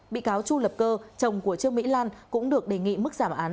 bị cáo chu lập cơ chồng của trương mỹ lan cũng được đề nghị mức giảm án